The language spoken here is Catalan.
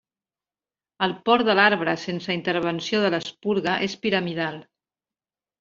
El port de l'arbre sense intervenció de l'esporga és piramidal.